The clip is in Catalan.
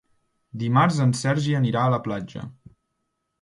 Dimarts en Sergi anirà a la platja.